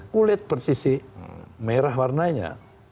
kulit persisi merah warnanya